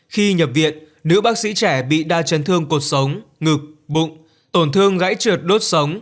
khi nhập viện nữ bác sĩ trẻ bị đa chấn thương cuộc sống ngực bụng tổn thương gãy trượt đốt sống